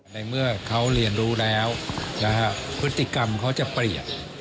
ในเมื่อเขาเรียนรู้แล้วพฤติกรรมเขาจะเปลี่ยน